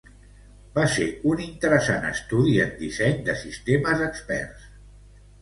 Va ser un interessant estudi en disseny de sistemes experts.